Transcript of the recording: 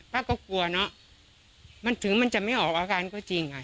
ป้าก็กลัวเนอะมันถึงมันจะไม่ออกอาการก็จริงอ่ะ